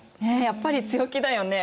やっぱり強気だよね。